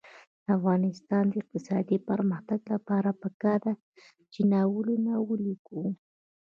د افغانستان د اقتصادي پرمختګ لپاره پکار ده چې ناولونه ولیکو.